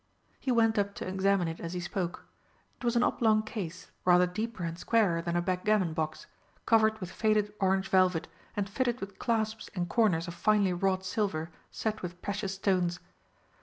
He went up to examine it as he spoke. It was an oblong case, rather deeper and squarer than a backgammon box, covered with faded orange velvet and fitted with clasps and corners of finely wrought silver set with precious stones.